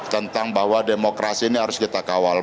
tentang bahwa demokrasi ini harus kita kawal